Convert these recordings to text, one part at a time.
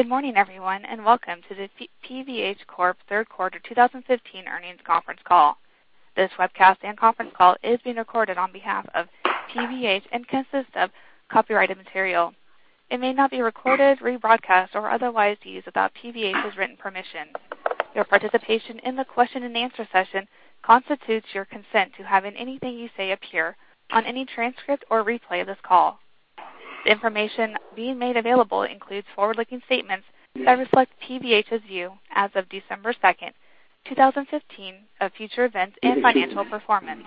Good morning, everyone, and welcome to the PVH Corp Third Quarter 2015 earnings conference call. This webcast and conference call is being recorded on behalf of PVH and consists of copyrighted material. It may not be recorded, rebroadcast, or otherwise used without PVH's written permission. Your participation in the question and answer session constitutes your consent to having anything you say appear on any transcript or replay of this call. The information being made available includes forward-looking statements that reflect PVH's view as of December 2nd, 2015, of future events and financial performance.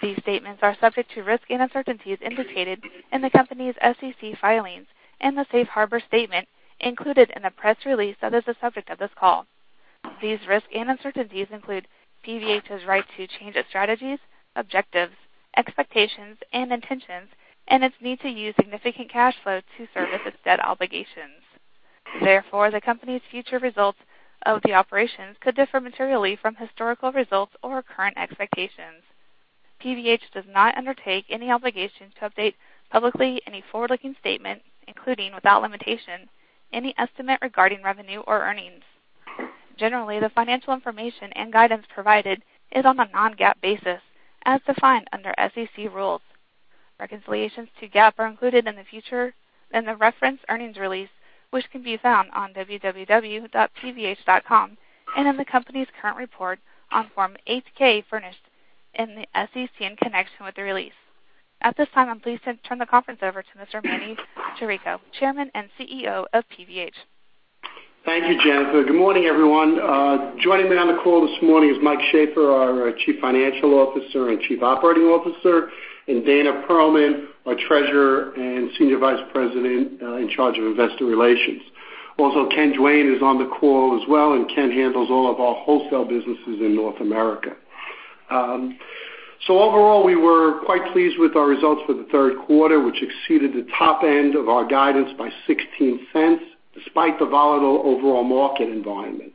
These statements are subject to risks and uncertainties indicated in the company's SEC filings and the safe harbor statement included in the press release that is the subject of this call. These risks and uncertainties include PVH's right to change its strategies, objectives, expectations, and intentions, and its need to use significant cash flow to service its debt obligations. Therefore, the company's future results of the operations could differ materially from historical results or current expectations. PVH does not undertake any obligation to update publicly any forward-looking statement, including, without limitation, any estimate regarding revenue or earnings. Generally, the financial information and guidance provided is on a non-GAAP basis as defined under SEC rules. Reconciliations to GAAP are included in the reference earnings release, which can be found on www.pvh.com and in the company's current report on Form 8-K furnished in the SEC in connection with the release. At this time, I'm pleased to turn the conference over to Mr. Manny Chirico, Chairman and CEO of PVH. Thank you, Jennifer. Good morning, everyone. Joining me on the call this morning is Mike Shaffer, our Chief Financial Officer and Chief Operating Officer, and Dana Perlman, our Treasurer and Senior Vice President in charge of Investor Relations. Also, Ken Duane is on the call as well, and Ken handles all of our wholesale businesses in North America. Overall, we were quite pleased with our results for the third quarter, which exceeded the top end of our guidance by $0.16, despite the volatile overall market environment.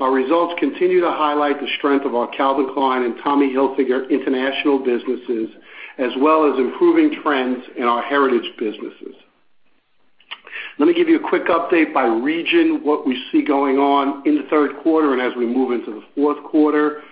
Our results continue to highlight the strength of our Calvin Klein and Tommy Hilfiger international businesses, as well as improving trends in our heritage businesses. Let me give you a quick update by region, what we see going on in the third quarter, and as we move into the fourth quarter.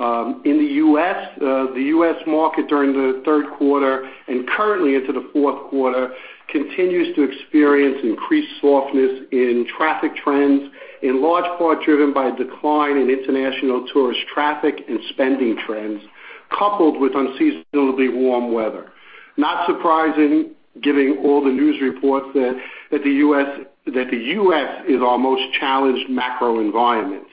In the U.S., the U.S. market during the third quarter and currently into the fourth quarter continues to experience increased softness in traffic trends, in large part driven by a decline in international tourist traffic and spending trends, coupled with unseasonably warm weather. Not surprising, given all the news reports that the U.S. is our most challenged macro environment.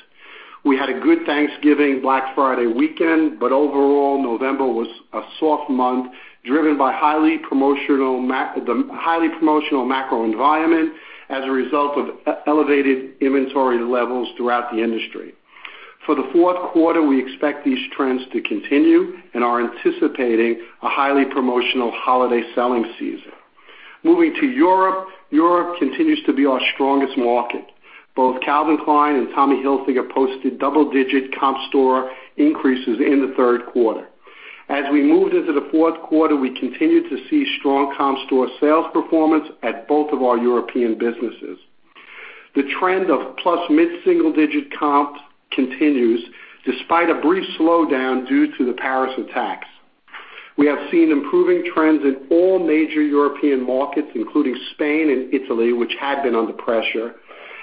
We had a good Thanksgiving Black Friday weekend, but overall, November was a soft month, driven by the highly promotional macro environment as a result of elevated inventory levels throughout the industry. For the fourth quarter, we expect these trends to continue and are anticipating a highly promotional holiday selling season. Moving to Europe. Europe continues to be our strongest market. Both Calvin Klein and Tommy Hilfiger posted double-digit comp store increases in the third quarter. As we moved into the fourth quarter, we continued to see strong comp store sales performance at both of our European businesses. The trend of +mid-single-digit comps continues despite a brief slowdown due to the Paris attacks. We have seen improving trends in all major European markets, including Spain and Italy, which had been under pressure,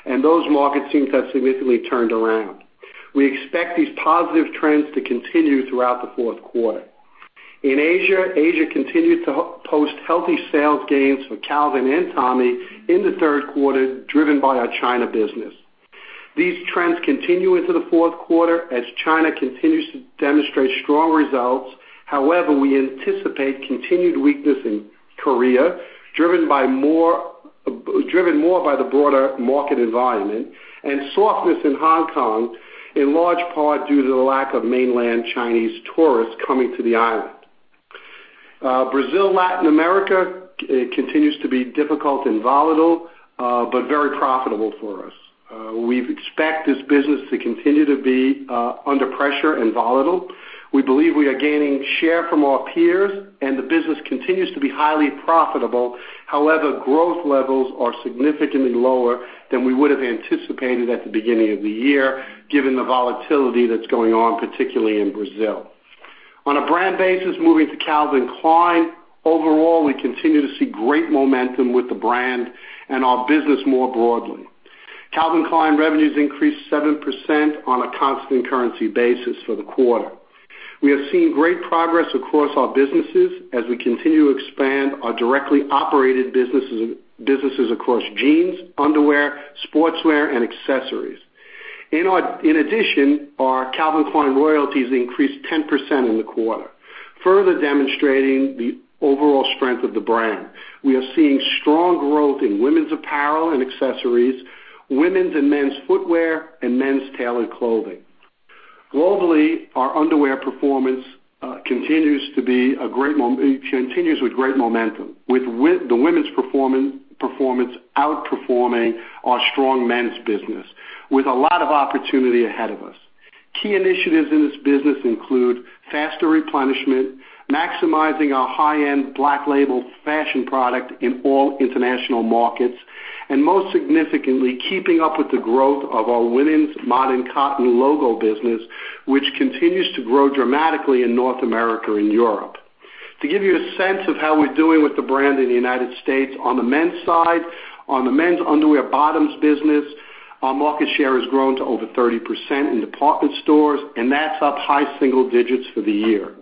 and those markets seem to have significantly turned around. We expect these positive trends to continue throughout the fourth quarter. In Asia continued to post healthy sales gains for Calvin and Tommy in the third quarter, driven by our China business. These trends continue into the fourth quarter as China continues to demonstrate strong results. However, we anticipate continued weakness in Korea, driven more by the broader market environment, and softness in Hong Kong, in large part due to the lack of mainland Chinese tourists coming to the island. Brazil, Latin America continues to be difficult and volatile, but very profitable for us. We expect this business to continue to be under pressure and volatile. We believe we are gaining share from our peers, and the business continues to be highly profitable. However, growth levels are significantly lower than we would have anticipated at the beginning of the year, given the volatility that's going on, particularly in Brazil. On a brand basis, moving to Calvin Klein. Overall, we continue to see great momentum with the brand and our business more broadly. Calvin Klein revenues increased 7% on a constant currency basis for the quarter. We have seen great progress across our businesses as we continue to expand our directly operated businesses across jeans, underwear, sportswear, and accessories. In addition, our Calvin Klein royalties increased 10% in the quarter, further demonstrating the overall strength of the brand. We are seeing strong growth in women's apparel and accessories, women's and men's footwear, and men's tailored clothing. Globally, our underwear performance continues with great momentum, with the women's performance outperforming our strong men's business, with a lot of opportunity ahead of us. Key initiatives in this business include faster replenishment, maximizing our high-end black label fashion product in all international markets, and most significantly, keeping up with the growth of our women's Modern Cotton logo business, which continues to grow dramatically in North America and Europe. To give you a sense of how we're doing with the brand in the U.S., on the men's side, on the men's underwear bottoms business, our market share has grown to over 30% in department stores, and that's up high single digits for the year.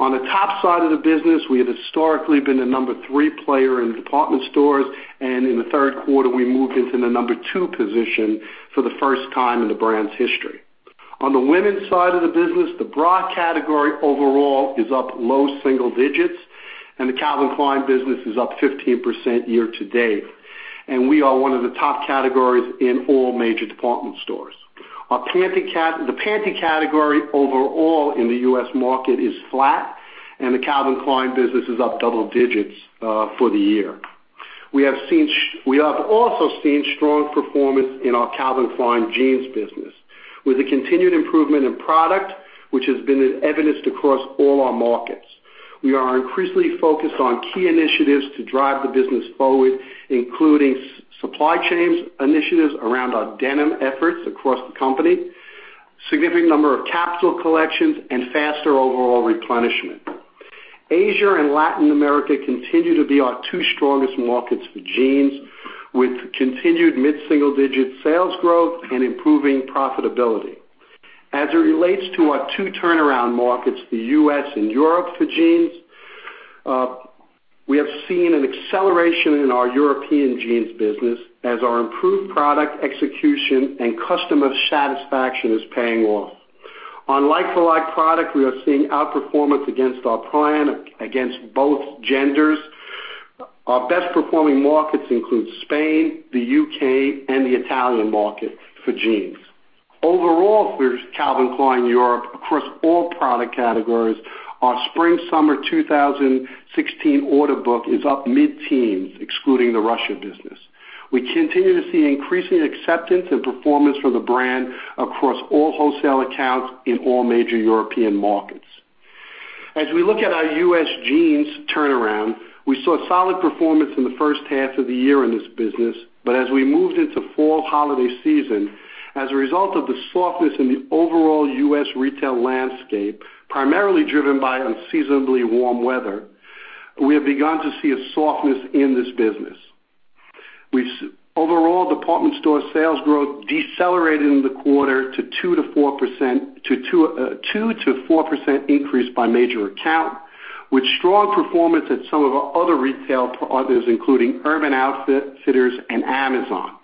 On the top side of the business, we have historically been the number three player in department stores, and in the third quarter, we moved into the number two position for the first time in the brand's history. On the women's side of the business, the bra category overall is up low single digits, and the Calvin Klein business is up 15% year-to-date. We are one of the top categories in all major department stores. The panty category overall in the U.S. market is flat, and the Calvin Klein business is up double digits for the year. We have also seen strong performance in our Calvin Klein jeans business. With the continued improvement in product, which has been evidenced across all our markets. We are increasingly focused on key initiatives to drive the business forward, including supply chains initiatives around our denim efforts across the company, significant number of capsule collections, and faster overall replenishment. Asia and Latin America continue to be our two strongest markets for jeans, with continued mid-single-digit sales growth and improving profitability. As it relates to our two turnaround markets, the U.S. and Europe for jeans, we have seen an acceleration in our European jeans business as our improved product execution and customer satisfaction is paying off. On like-for-like product, we are seeing outperformance against our plan against both genders. Our best-performing markets include Spain, the U.K., and the Italian market for jeans. Overall, for Calvin Klein Europe, across all product categories, our spring-summer 2016 order book is up mid-teens, excluding the Russia business. We continue to see increasing acceptance and performance for the brand across all wholesale accounts in all major European markets. As we look at our U.S. jeans turnaround, we saw solid performance in the first half of the year in this business, but as we moved into fall holiday season, as a result of the softness in the overall U.S. retail landscape, primarily driven by unseasonably warm weather, we have begun to see a softness in this business. Overall department store sales growth decelerated in the quarter to 2%-4% increase by major account, with strong performance at some of our other retail partners, including Urban Outfitters and Amazon.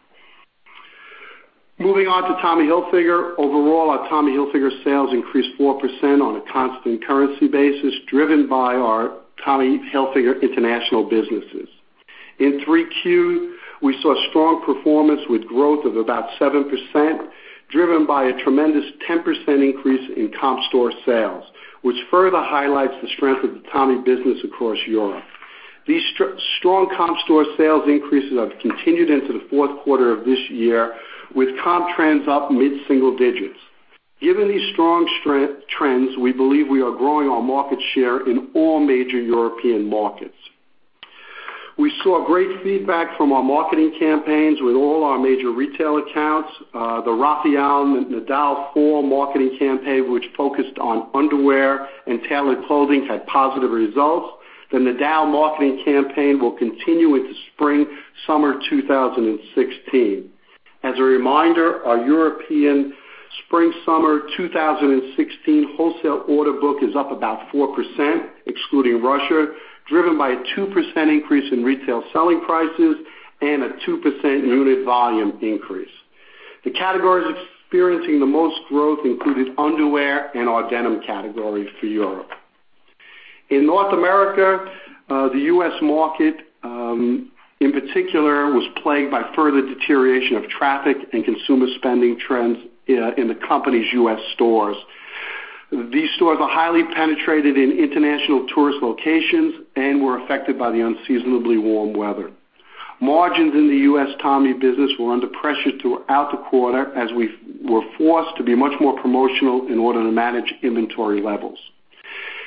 Moving on to Tommy Hilfiger. Overall, our Tommy Hilfiger sales increased 4% on a constant currency basis, driven by our Tommy Hilfiger international businesses. In three Q, we saw strong performance with growth of about 7%, driven by a tremendous 10% increase in comp store sales, which further highlights the strength of the Tommy business across Europe. These strong comp store sales increases have continued into the fourth quarter of this year, with comp trends up mid-single digits. Given these strong trends, we believe we are growing our market share in all major European markets. We saw great feedback from our marketing campaigns with all our major retail accounts. The Rafael Nadal fall marketing campaign, which focused on underwear and tailored clothing, had positive results. The Nadal marketing campaign will continue into spring/summer 2016. As a reminder, our European spring/summer 2016 wholesale order book is up about 4%, excluding Russia, driven by a 2% increase in retail selling prices and a 2% unit volume increase. The categories experiencing the most growth included underwear and our denim category for Europe. In North America, the U.S. market in particular was plagued by further deterioration of traffic and consumer spending trends in the company's U.S. stores. These stores are highly penetrated in international tourist locations and were affected by the unseasonably warm weather. Margins in the U.S. Tommy business were under pressure throughout the quarter as we were forced to be much more promotional in order to manage inventory levels.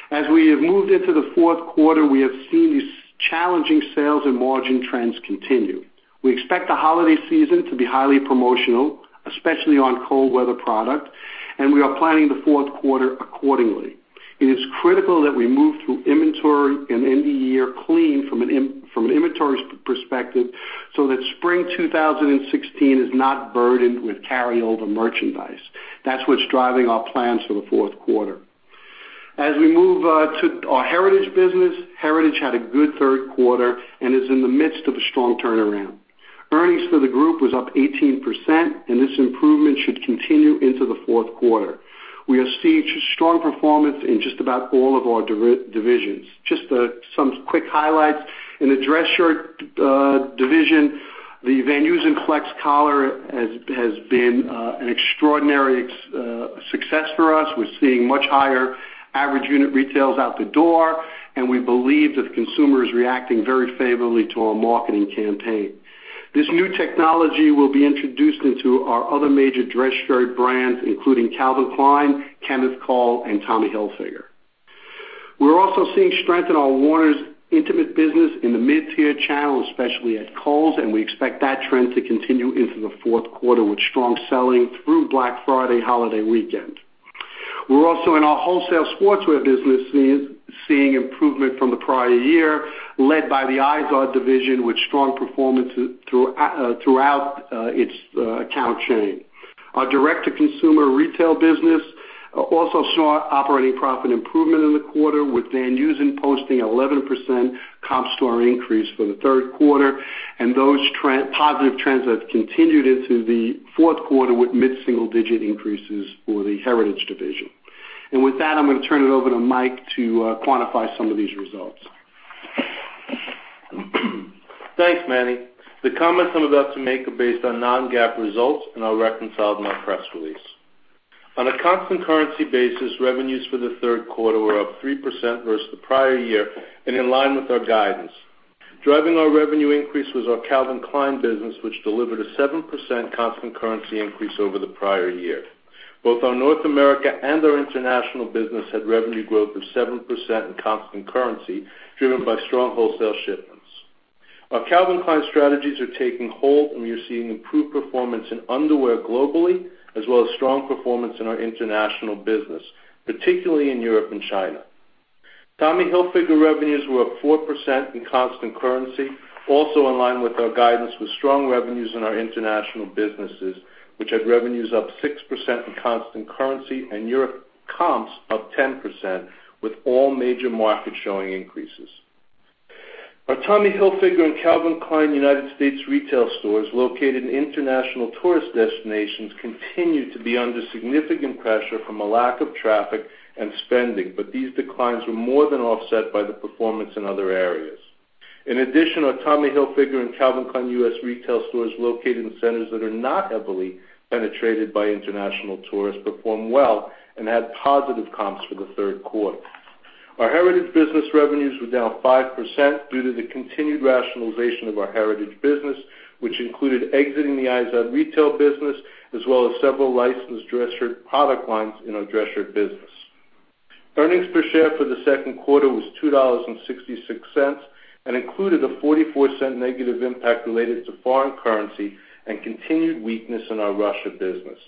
As we have moved into the fourth quarter, we have seen these challenging sales and margin trends continue. We expect the holiday season to be highly promotional, especially on cold weather product. We are planning the fourth quarter accordingly. It is critical that we move through inventory and end the year clean from an inventory perspective so that spring 2016 is not burdened with carryover merchandise. That's what's driving our plans for the fourth quarter. As we move to our Heritage business, Heritage had a good third quarter and is in the midst of a strong turnaround. Earnings for the group was up 18%, and this improvement should continue into the fourth quarter. We have seen strong performance in just about all of our divisions. Just some quick highlights. In the dress shirt division, the Van Heusen Flex Collar has been an extraordinary success for us. We are seeing much higher average unit retails out the door, and we believe that the consumer is reacting very favorably to our marketing campaign. This new technology will be introduced into our other major dress shirt brands, including Calvin Klein, Kenneth Cole, and Tommy Hilfiger. We're also seeing strength in our Warner's intimate business in the mid-tier channel, especially at Kohl's, and we expect that trend to continue into the fourth quarter with strong selling through Black Friday holiday weekend. We're also in our wholesale sportswear business seeing improvement from the prior year, led by the Izod division with strong performance throughout its account chain. Our direct-to-consumer retail business also saw operating profit improvement in the quarter, with Van Heusen posting an 11% comp store increase for the third quarter. Those positive trends have continued into the fourth quarter with mid-single-digit increases for the Heritage division. With that, I'm going to turn it over to Mike to quantify some of these results. Thanks, Manny. The comments I'm about to make are based on non-GAAP results, and I'll reconcile in our press release. On a constant currency basis, revenues for the third quarter were up 3% versus the prior year and in line with our guidance. Driving our revenue increase was our Calvin Klein business, which delivered a 7% constant currency increase over the prior year. Both our North America and our international business had revenue growth of 7% in constant currency, driven by strong wholesale shipments. Our Calvin Klein strategies are taking hold, and we are seeing improved performance in underwear globally, as well as strong performance in our international business, particularly in Europe and China. Tommy Hilfiger revenues were up 4% in constant currency, also in line with our guidance with strong revenues in our international businesses, which had revenues up 6% in constant currency and Europe comps up 10% with all major markets showing increases. Our Tommy Hilfiger and Calvin Klein U.S. retail stores located in international tourist destinations continued to be under significant pressure from a lack of traffic and spending. These declines were more than offset by the performance in other areas. In addition, our Tommy Hilfiger and Calvin Klein U.S. retail stores located in centers that are not heavily penetrated by international tourists performed well and had positive comps for the third quarter. Our Heritage business revenues were down 5% due to the continued rationalization of our Heritage business, which included exiting the Izod retail business as well as several licensed dress shirt product lines in our dress shirt business. Earnings per share for the second quarter was $2.66 and included a $0.44 negative impact related to foreign currency and continued weakness in our Russia business.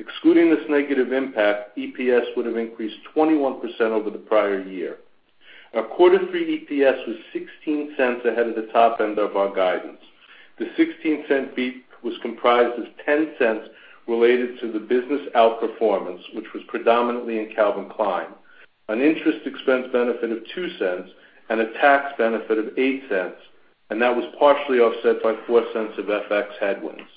Excluding this negative impact, EPS would have increased 21% over the prior year. Our quarter three EPS was $0.16 ahead of the top end of our guidance. The $0.16 beat was comprised of $0.10 related to the business outperformance, which was predominantly in Calvin Klein. An interest expense benefit of $0.02 and a tax benefit of $0.08. That was partially offset by $0.04 of FX headwinds.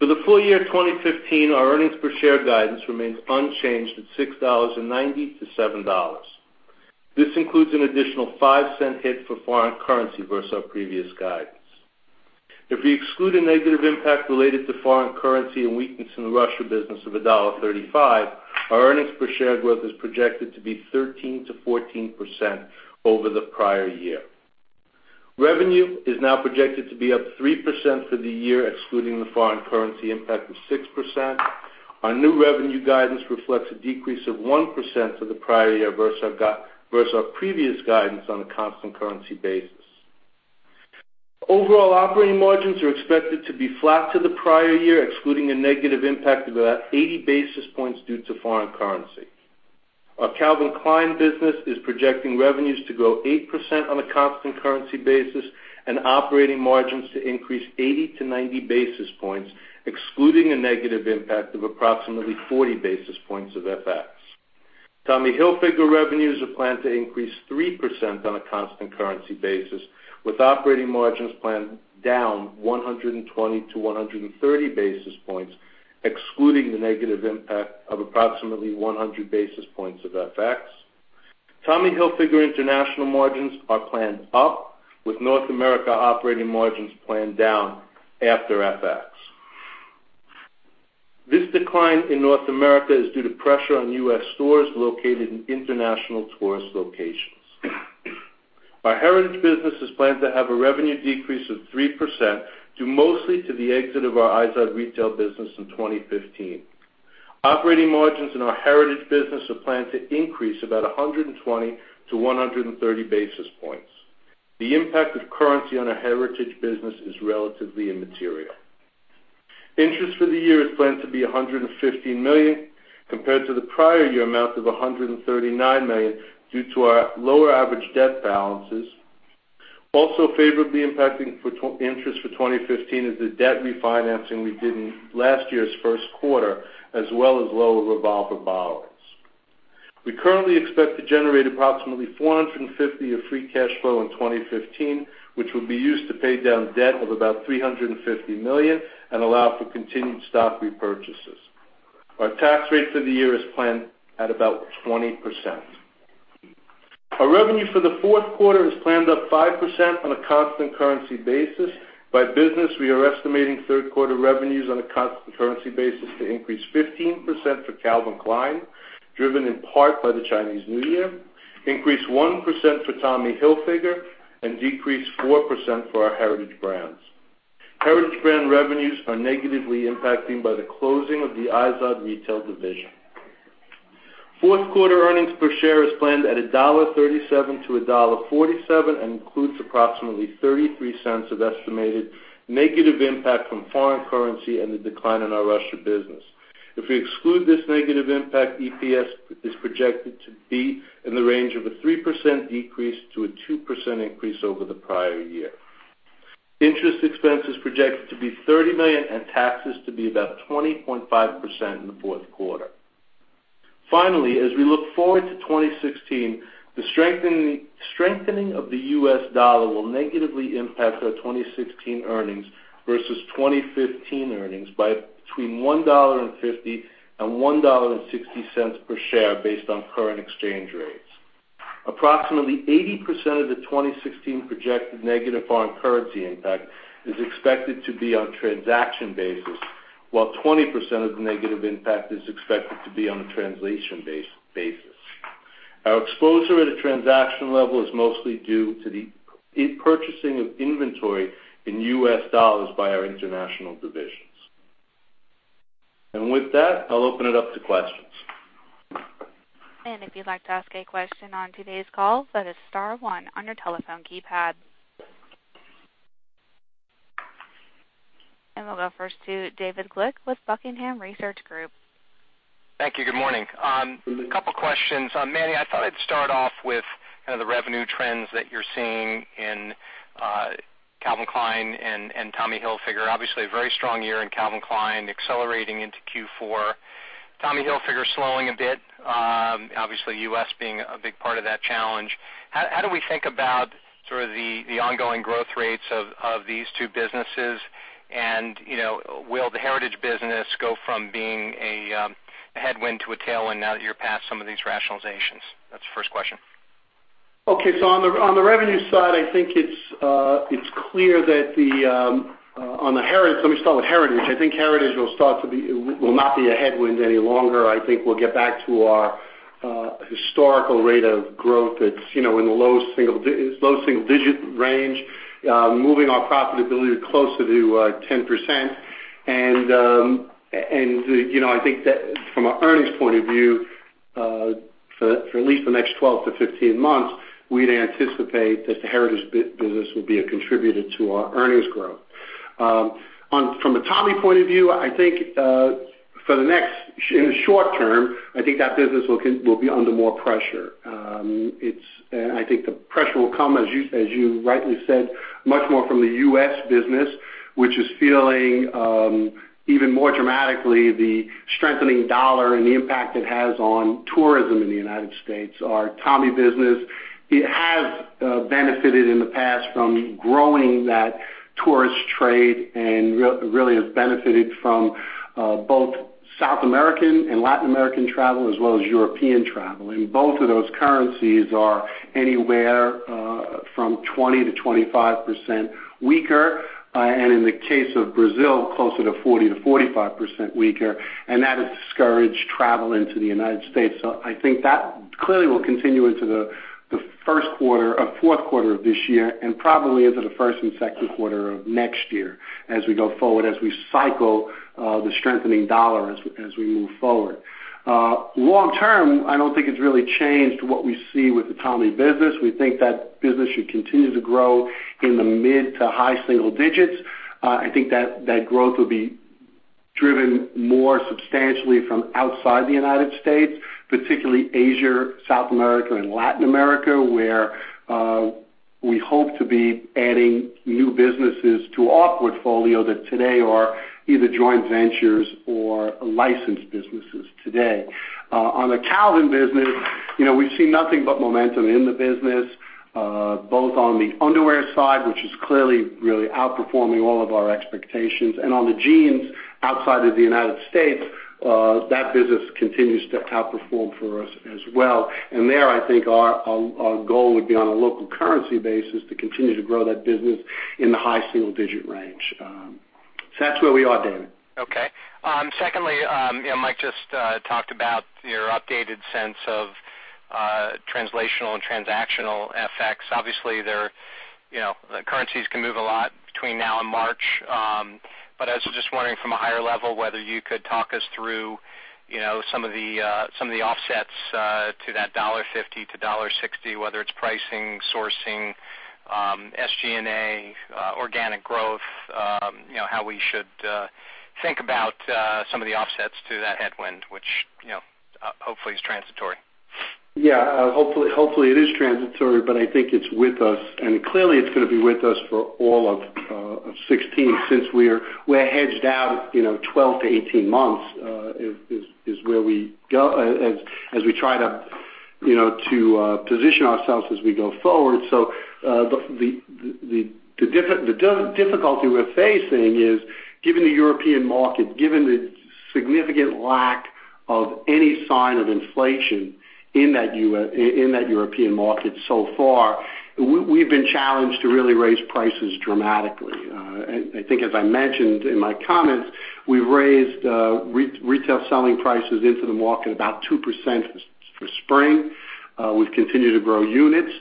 For the full year 2015, our earnings per share guidance remains unchanged at $6.90 to $7. This includes an additional $0.05 hit for foreign currency versus our previous guidance. If we exclude a negative impact related to foreign currency and weakness in the Russia business of $1.35, our earnings per share growth is projected to be 13%-14% over the prior year. Revenue is now projected to be up 3% for the year, excluding the foreign currency impact of 6%. Our new revenue guidance reflects a decrease of 1% to the prior year versus our previous guidance on a constant currency basis. Overall operating margins are expected to be flat to the prior year, excluding a negative impact of about 80 basis points due to foreign currency. Our Calvin Klein business is projecting revenues to grow 8% on a constant currency basis and operating margins to increase 80 to 90 basis points, excluding a negative impact of approximately 40 basis points of FX. Tommy Hilfiger revenues are planned to increase 3% on a constant currency basis, with operating margins planned down 120 to 130 basis points, excluding the negative impact of approximately 100 basis points of FX. Tommy Hilfiger international margins are planned up, with North America operating margins planned down after FX. This decline in North America is due to pressure on U.S. stores located in international tourist locations. Our Heritage business is planned to have a revenue decrease of 3%, due mostly to the exit of our Izod retail business in 2015. Operating margins in our Heritage business are planned to increase about 120 to 130 basis points. The impact of currency on our Heritage business is relatively immaterial. Interest for the year is planned to be $115 million, compared to the prior year amount of $139 million, due to our lower average debt balances. Also favorably impacting interest for 2015 is the debt refinancing we did in last year's first quarter, as well as lower revolver borrowings. We currently expect to generate approximately $450 million of free cash flow in 2015, which will be used to pay down debt of about $350 million and allow for continued stock repurchases. Our tax rate for the year is planned at about 20%. Our revenue for the fourth quarter is planned up 5% on a constant currency basis. By business, we are estimating third quarter revenues on a constant currency basis to increase 15% for Calvin Klein, driven in part by the Chinese New Year, increase 1% for Tommy Hilfiger, and decrease 4% for our Heritage brands. Heritage Brand revenues are negatively impacted by the closing of the Izod retail division. Fourth quarter earnings per share is planned at $1.37-$1.47, and includes approximately $0.33 of estimated negative impact from foreign currency and the decline in our Russia business. If we exclude this negative impact, EPS is projected to be in the range of a 3% decrease to a 2% increase over the prior year. Interest expense is projected to be $30 million and taxes to be about 20.5% in the fourth quarter. Finally, as we look forward to 2016, the strengthening of the U.S. dollar will negatively impact our 2016 earnings versus 2015 earnings by between $1.50 and $1.60 per share, based on current exchange rates. Approximately 80% of the 2016 projected negative foreign currency impact is expected to be on a transaction basis, while 20% of the negative impact is expected to be on a translation basis. Our exposure to the transaction level is mostly due to the purchasing of inventory in U.S. dollars by our international divisions. With that, I'll open it up to questions. If you'd like to ask a question on today's call, that is star one on your telephone keypad. We'll go first to David Glick with Buckingham Research Group. Thank you. Good morning. A couple questions. Manny, I thought I'd start off with the revenue trends that you're seeing in Calvin Klein and Tommy Hilfiger. Obviously, a very strong year in Calvin Klein, accelerating into Q4. Tommy Hilfiger is slowing a bit, obviously, U.S. being a big part of that challenge. How do we think about the ongoing growth rates of these two businesses? Will the Heritage business go from being a headwind to a tailwind now that you're past some of these rationalizations? That's the first question. Okay. On the revenue side, I think it's clear that, let me start with Heritage. I think Heritage will not be a headwind any longer. I think we'll get back to our historical rate of growth. It's in the low single digit range, moving our profitability closer to 10%. I think that from an earnings point of view, for at least the next 12-15 months, we'd anticipate that the Heritage business will be a contributor to our earnings growth. From a Tommy point of view, in the short term, I think that business will be under more pressure. I think the pressure will come, as you rightly said, much more from the U.S. business, which is feeling even more dramatically the strengthening dollar and the impact it has on tourism in the United States. Our Tommy business, it has benefited in the past from growing that tourist trade, really has benefited from both South American and Latin American travel, as well as European travel. Both of those currencies are anywhere from 20%-25% weaker, and in the case of Brazil, closer to 40%-45% weaker, and that has discouraged travel into the United States. I think that clearly will continue into the fourth quarter of this year, probably into the first and second quarter of next year as we go forward, as we cycle the strengthening dollar as we move forward. Long term, I don't think it's really changed what we see with the Tommy business. We think that business should continue to grow in the mid to high single digits. I think that growth will be driven more substantially from outside the United States, particularly Asia, South America, and Latin America, where we hope to be adding new businesses to our portfolio that today are either joint ventures or licensed businesses today. On the Calvin business, we've seen nothing but momentum in the business, both on the underwear side, which is clearly really outperforming all of our expectations. On the jeans outside of the United States, that business continues to outperform for us as well. There, I think our goal would be on a local currency basis to continue to grow that business in the high single digit range. That's where we are, David. Secondly, Mike just talked about your updated sense of translational and transactional effects. Obviously, the currencies can move a lot between now and March. I was just wondering from a higher level whether you could talk us through some of the offsets to that $1.50-$1.60, whether it's pricing, sourcing, SG&A, organic growth, how we should think about some of the offsets to that headwind, which hopefully is transitory. Yeah. Hopefully, it is transitory, but I think it's with us, and clearly, it's going to be with us for all of 2016, since we're hedged out 12-18 months, as we try to position ourselves as we go forward. The difficulty we're facing is given the European market, given the significant lack of any sign of inflation in that European market so far, we've been challenged to really raise prices dramatically. I think, as I mentioned in my comments, we raised retail selling prices into the market about 2% for spring. We've continued to grow units.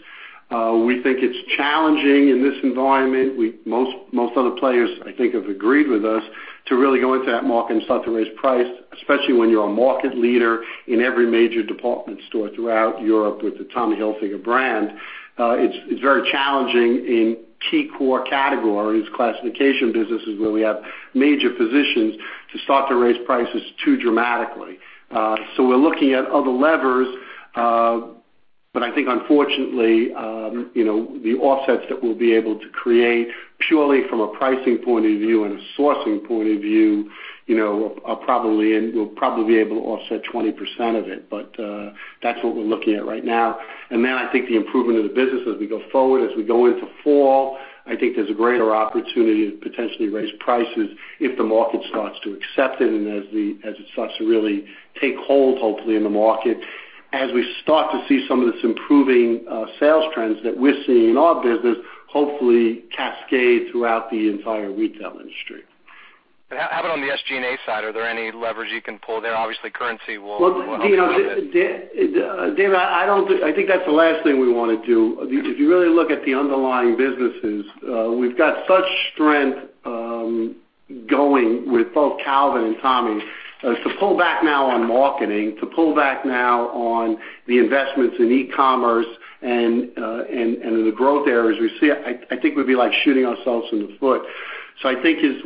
We think it's challenging in this environment. Most other players, I think, have agreed with us to really go into that market and start to raise price, especially when you're a market leader in every major department store throughout Europe with the Tommy Hilfiger brand. It's very challenging in key core categories, classification businesses where we have major positions to start to raise prices too dramatically. We're looking at other levers. I think unfortunately, the offsets that we'll be able to create purely from a pricing point of view and a sourcing point of view, we'll probably be able to offset 20% of it. That's what we're looking at right now. I think the improvement of the business as we go forward, as we go into fall, I think there's a greater opportunity to potentially raise prices if the market starts to accept it, and as it starts to really take hold, hopefully, in the market. As we start to see some of this improving sales trends that we're seeing in our business, hopefully cascade throughout the entire retail industry. How about on the SG&A side? Are there any levers you can pull there? Obviously, currency will help you a bit. David, I think that's the last thing we want to do. If you really look at the underlying businesses, we've got such strength going with both Calvin and Tommy. To pull back now on marketing, to pull back now on the investments in e-commerce and in the growth areas we see, I think would be like shooting ourselves in the foot. I think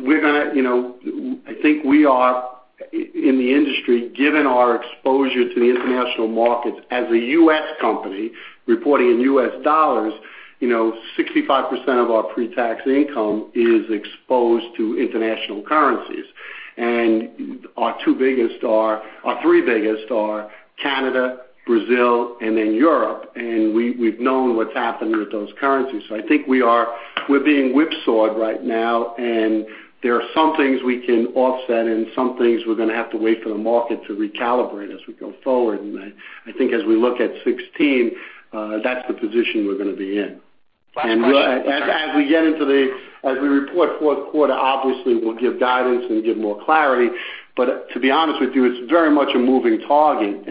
we are in the industry, given our exposure to the international markets as a U.S. company, reporting in U.S. dollars, 65% of our pre-tax income is exposed to international currencies. Our three biggest are Canada, Brazil, and then Europe, and we've known what's happened with those currencies. I think we're being whipsawed right now, and there are some things we can offset and some things we're going to have to wait for the market to recalibrate as we go forward. I think as we look at 2016, that's the position we're going to be in. Last question. As we report fourth quarter, obviously, we'll give guidance and give more clarity. To be honest with you, it's very much a moving target.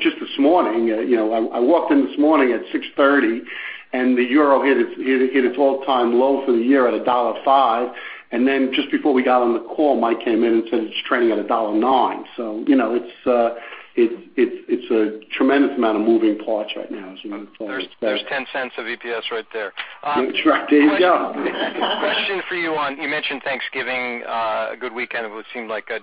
Just this morning, I walked in this morning at 6:30 A.M., and the euro hit its all-time low for the year at EUR 1.05. Then just before we got on the call, Mike came in and said it's trading at EUR 1.09. It's a tremendous amount of moving parts right now, as we move forward. There's $0.10 of EPS right there. That's right, there you go. Question for you on. You mentioned Thanksgiving, a good weekend, and what seemed like a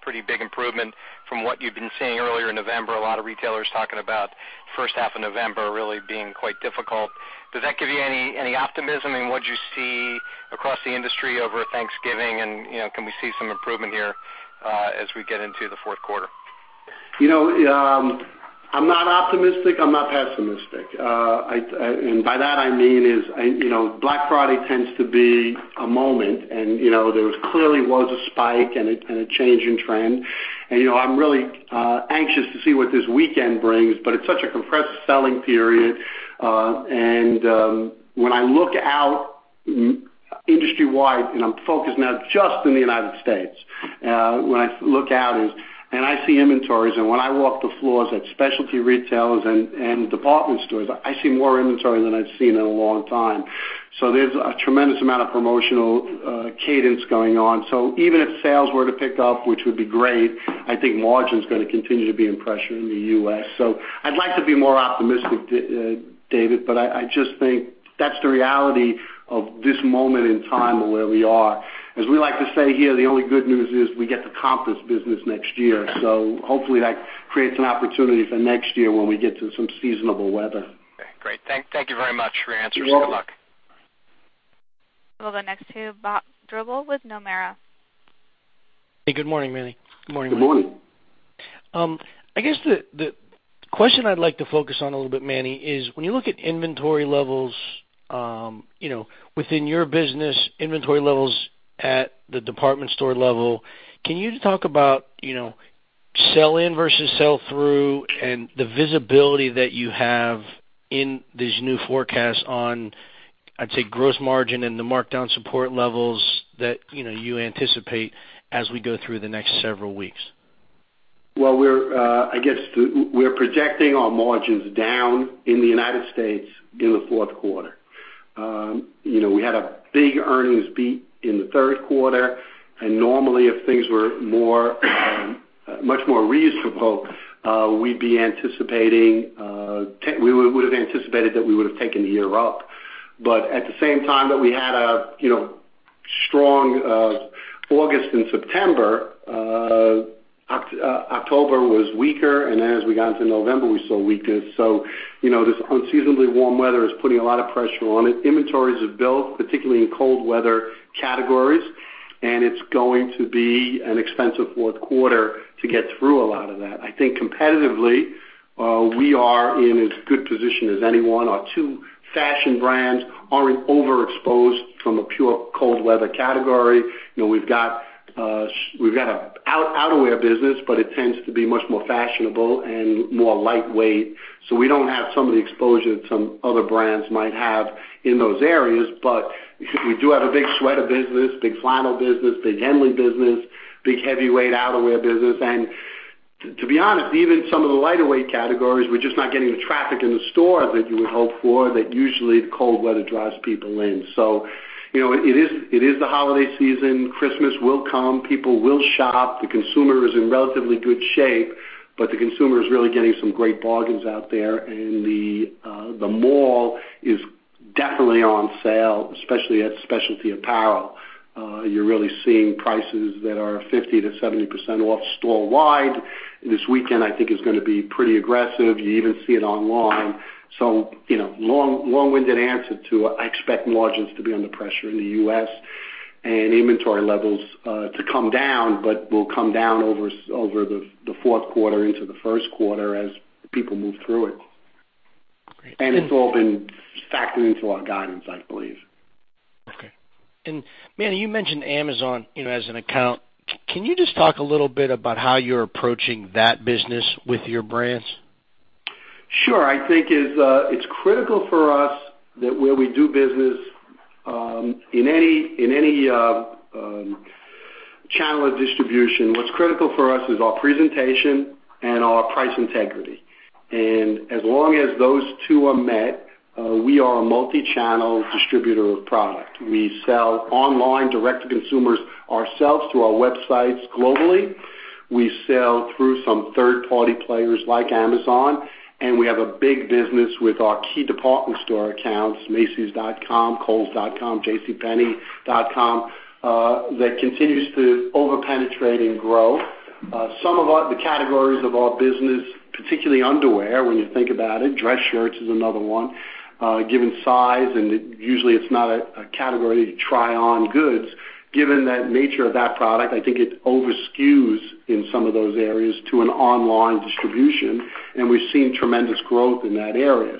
pretty big improvement from what you've been seeing earlier in November. A lot of retailers talking about first half of November really being quite difficult. Does that give you any optimism in what you see across the industry over Thanksgiving? Can we see some improvement here as we get into the fourth quarter? I'm not optimistic, I'm not pessimistic. By that I mean, Black Friday tends to be a moment, and there clearly was a spike and a change in trend. I'm really anxious to see what this weekend brings, but it's such a compressed selling period. When I look out industry-wide, and I'm focused now just in the U.S. When I look out, I see inventories, and when I walk the floors at specialty retailers and department stores, I see more inventory than I've seen in a long time. There's a tremendous amount of promotional cadence going on. Even if sales were to pick up, which would be great, I think margin's going to continue to be under pressure in the U.S. I'd like to be more optimistic, David, I just think that's the reality of this moment in time of where we are. As we like to say here, the only good news is we get to comp this business next year. Hopefully, that creates an opportunity for next year when we get to some seasonable weather. Great. Thank you very much for your answers. Good luck. You're welcome. We'll go next to Bob Drbul with Nomura. Hey, good morning, Manny. Good morning. Good morning. I guess the question I'd like to focus on a little bit, Manny, is when you look at inventory levels within your business, inventory levels at the department store level, can you talk about sell in versus sell through and the visibility that you have in these new forecasts on, I'd say, gross margin and the markdown support levels that you anticipate as we go through the next several weeks? Well, I guess we're projecting our margins down in the United States in the fourth quarter. We had a big earnings beat in the third quarter. Normally, if things were much more reasonable, we would've anticipated that we would've taken the year up. At the same time that we had a strong August and September, October was weaker. As we got into November, we saw weakness. This unseasonably warm weather is putting a lot of pressure on it. Inventories have built, particularly in cold weather categories. It's going to be an expensive fourth quarter to get through a lot of that. I think competitively, we are in as good position as anyone. Our two fashion brands aren't overexposed from a pure cold weather category. We've got a outerwear business, but it tends to be much more fashionable and more lightweight. We don't have some of the exposure that some other brands might have in those areas. We do have a big sweater business, big flannel business, big henley business, big heavyweight outerwear business. To be honest, even some of the lighter weight categories, we're just not getting the traffic in the store that you would hope for. Usually the cold weather draws people in. It is the holiday season. Christmas will come, people will shop. The consumer is in relatively good shape, but the consumer is really getting some great bargains out there, and the mall is definitely on sale, especially at specialty apparel. You're really seeing prices that are 50%-70% off store wide. This weekend, I think, is going to be pretty aggressive. You even see it online. Long-winded answer to it. I expect margins to be under pressure in the U.S. and inventory levels to come down, will come down over the fourth quarter into the first quarter as people move through it. Great. It's all been factored into our guidance, I believe. Okay. Manny, you mentioned Amazon as an account. Can you just talk a little bit about how you're approaching that business with your brands? Sure. I think it's critical for us that where we do business, in any channel of distribution, what's critical for us is our presentation and our price integrity. As long as those two are met, we are a multi-channel distributor of product. We sell online direct to consumers ourselves, through our websites globally. We sell through some third-party players like Amazon, and we have a big business with our key department store accounts, macys.com, kohls.com, jcpenney.com, that continues to over-penetrate and grow. Some of the categories of our business, particularly underwear, when you think about it, dress shirts is another one. Given size, usually it's not a category to try on goods. Given that nature of that product, I think it over-skews in some of those areas to an online distribution, and we've seen tremendous growth in that area.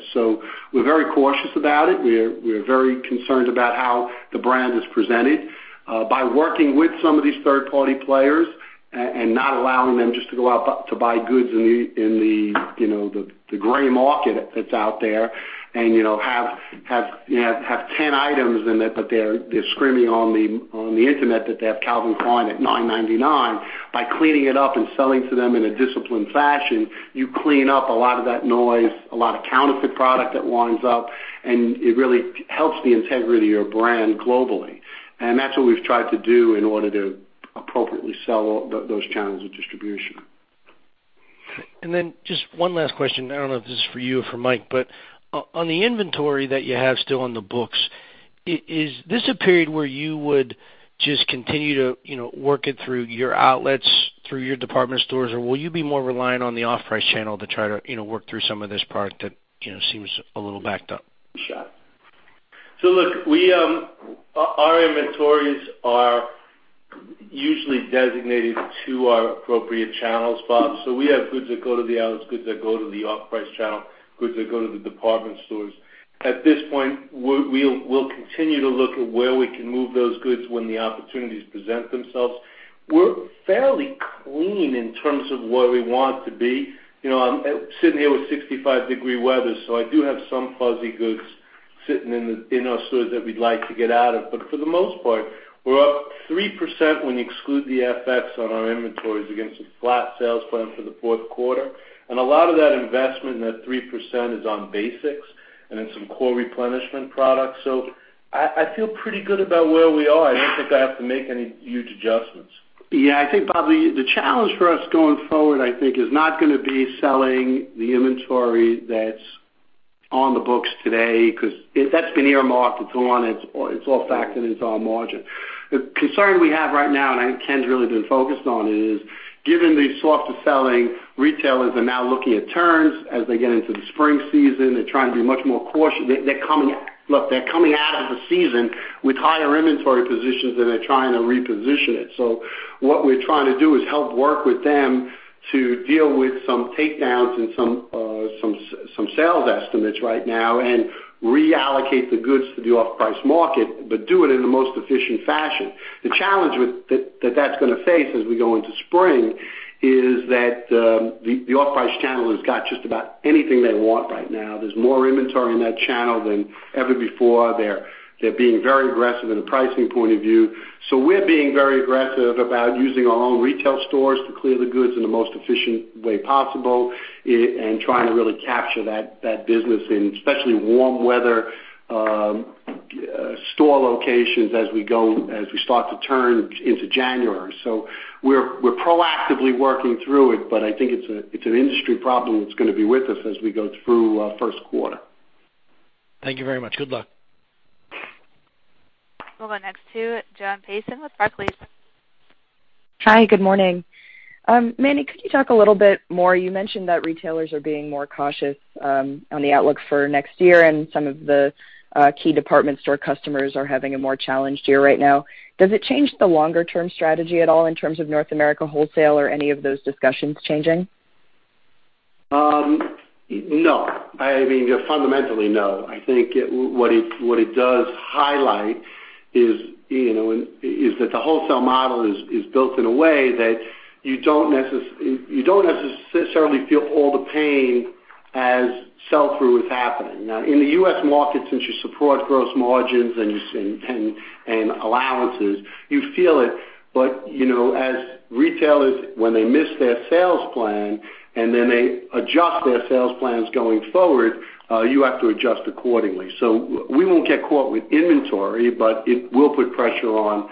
We're very cautious about it. We're very concerned about how the brand is presented. By working with some of these third-party players and not allowing them just to go out to buy goods in the gray market that's out there and have 10 items in it, but they're screaming on the internet that they have Calvin Klein at $9.99. By cleaning it up and selling to them in a disciplined fashion, you clean up a lot of that noise, a lot of counterfeit product that winds up, and it really helps the integrity of your brand globally. That's what we've tried to do in order to appropriately sell those channels of distribution. Just one last question. I don't know if this is for you or for Mike. On the inventory that you have still on the books, is this a period where you would just continue to work it through your outlets, through your department stores? Or will you be more reliant on the off-price channel to try to work through some of this product that seems a little backed up? Sure. Look, our inventories are usually designated to our appropriate channels, Bob. We have goods that go to the outlets, goods that go to the off-price channel, goods that go to the department stores. At this point, we'll continue to look at where we can move those goods when the opportunities present themselves. We're fairly clean in terms of where we want to be. I'm sitting here with 65-degree weather, I do have some fuzzy goods sitting in our stores that we'd like to get out of. For the most part, we're up 3% when you exclude the FX on our inventories against a flat sales plan for the fourth quarter. A lot of that investment in that 3% is on basics and in some core replenishment products. I feel pretty good about where we are. I don't think I have to make any huge adjustments. I think, Bob, the challenge for us going forward, I think, is not gonna be selling the inventory that's on the books today, because that's been earmarked, it's on, it's all factored into our margin. The concern we have right now, and I think Ken's really been focused on, is given the softer selling, retailers are now looking at turns as they get into the spring season. They're trying to be much more cautious. Look, they're coming out of the season with higher inventory positions, and they're trying to reposition it. What we're trying to do is help work with them to deal with some takedowns and some sales estimates right now and reallocate the goods to the off-price market, but do it in the most efficient fashion. The challenge that's gonna face as we go into spring is that the off-price channel has got just about anything they want right now. There's more inventory in that channel than ever before. They're being very aggressive in a pricing point of view. We're being very aggressive about using our own retail stores to clear the goods in the most efficient way possible and trying to really capture that business in, especially warm weather store locations as we start to turn into January. We're proactively working through it, but I think it's an industry problem that's gonna be with us as we go through our first quarter. Thank you very much. Good luck. Moving next to [Jen Payton] with Barclays. Hi, good morning. Manny, could you talk a little bit more? You mentioned that retailers are being more cautious on the outlook for next year, and some of the key department store customers are having a more challenged year right now. Does it change the longer-term strategy at all in terms of North America wholesale or any of those discussions changing? No. Fundamentally, no. I think what it does highlight is that the wholesale model is built in a way that you don't necessarily feel all the pain as sell-through is happening. Now in the U.S. market, since you support gross margins and allowances, you feel it. As retailers, when they miss their sales plan, then they adjust their sales plans going forward, you have to adjust accordingly. We won't get caught with inventory, but it will put pressure on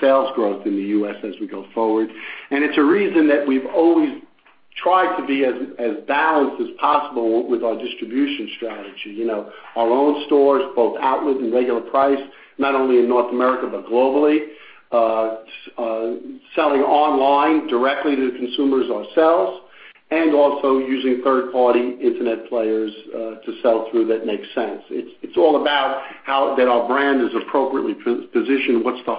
sales growth in the U.S. as we go forward. It's a reason that we've always tried to be as balanced as possible with our distribution strategy. Our own stores, both outlet and regular price, not only in North America, but globally. Selling online directly to the consumers ourselves, and also using third-party internet players to sell through that makes sense. It's all about how that our brand is appropriately positioned, what's the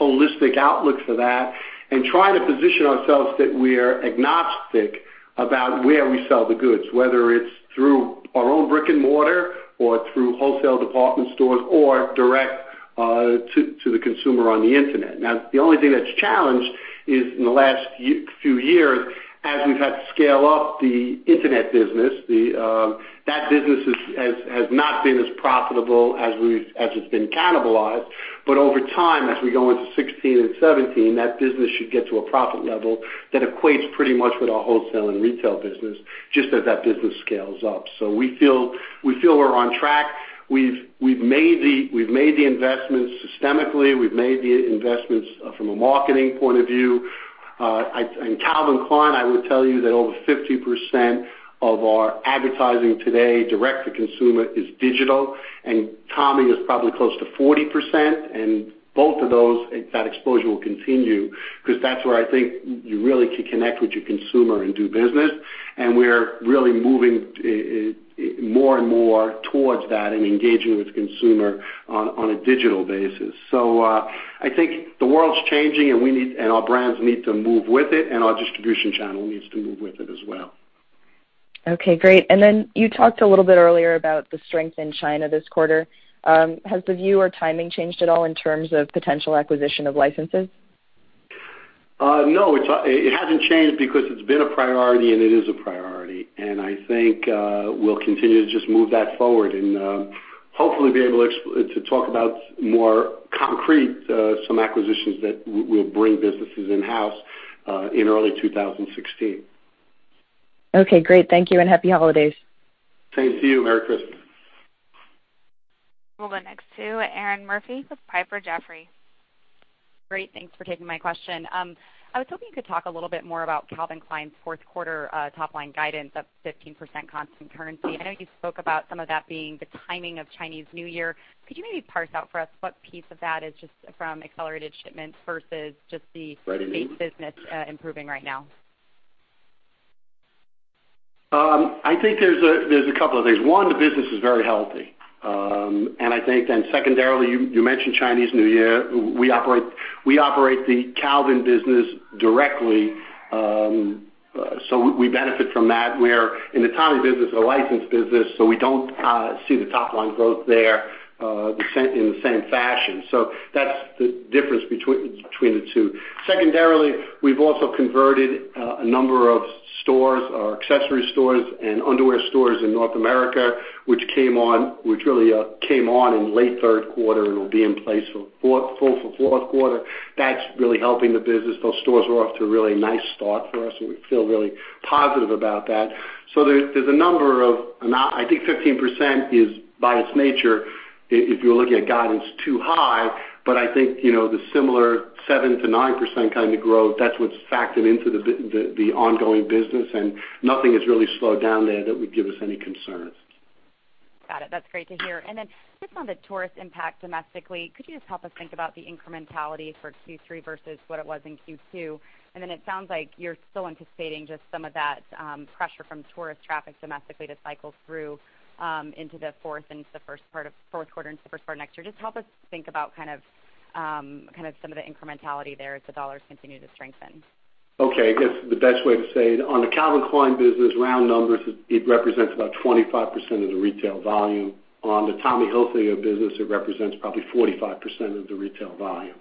holistic outlook for that, and trying to position ourselves that we're agnostic about where we sell the goods, whether it's through our own brick and mortar or through wholesale department stores or direct to the consumer on the internet. Now, the only thing that's challenged is in the last few years, as we've had to scale up the internet business, that business has not been as profitable as it's been cannibalized. Over time, as we go into 2016 and 2017, that business should get to a profit level that equates pretty much with our wholesale and retail business, just as that business scales up. We feel we're on track. We've made the investments systemically. We've made the investments from a marketing point of view. In Calvin Klein, I would tell you that over 50% of our advertising today direct to consumer is digital, and Tommy is probably close to 40%. Both of those, that exposure will continue, because that's where I think you really can connect with your consumer and do business. We're really moving more and more towards that and engaging with the consumer on a digital basis. I think the world's changing, and our brands need to move with it, and our distribution channel needs to move with it as well. Okay, great. You talked a little bit earlier about the strength in China this quarter. Has the view or timing changed at all in terms of potential acquisition of licenses? No, it hasn't changed because it's been a priority, and it is a priority. I think we'll continue to just move that forward and hopefully be able to talk about more concrete, some acquisitions that we'll bring businesses in-house in early 2016. Okay, great. Thank you, and happy holidays. Same to you. Merry Christmas. We'll go next to Erinn Murphy with Piper Jaffray. Great. Thanks for taking my question. I was hoping you could talk a little bit more about Calvin Klein's fourth quarter top-line guidance of 15% constant currency. I know you spoke about some of that being the timing of Chinese New Year. Could you maybe parse out for us what piece of that is just from accelerated shipments versus just the base business improving right now? I think there's a couple of things. One, the business is very healthy. I think then secondarily, you mentioned Chinese New Year. We operate the Calvin business directly, so we benefit from that. Where in the Tommy business, it's a licensed business, so we don't see the top-line growth there in the same fashion. That's the difference between the two. Secondarily, we've also converted a number of stores, our accessory stores and underwear stores in North America, which really came on in late third quarter and will be in place for fourth quarter. That's really helping the business. Those stores are off to a really nice start for us, and we feel really positive about that. I think 15% is, by its nature, if you're looking at guidance, too high. I think, the similar 7%-9% kind of growth, that's what's factored into the ongoing business, and nothing has really slowed down there that would give us any concerns. Got it. That's great to hear. Just on the tourist impact domestically, could you just help us think about the incrementality for Q3 versus what it was in Q2? It sounds like you're still anticipating just some of that pressure from tourist traffic domestically to cycle through into the fourth quarter, into the first part of next year. Just help us think about some of the incrementality there as the dollars continue to strengthen. Okay. I guess the best way to say it, on the Calvin Klein business, round numbers, it represents about 25% of the retail volume. On the Tommy Hilfiger business, it represents probably 45% of the retail volume.